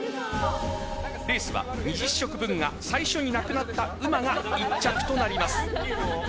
レースは、２０食分が最初になくなったうまが１着となります。